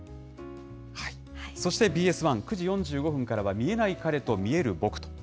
そしてＢＳ１、９時４５分からは、見えない彼と、見える僕と。